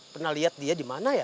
pernah lihat dia dimana ya